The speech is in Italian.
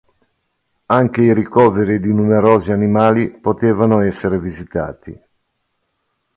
Anche i ricoveri di numerosi animali potevano essere visitati.